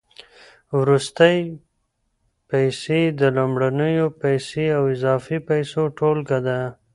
وروستۍ پیسې د لومړنیو پیسو او اضافي پیسو ټولګه ده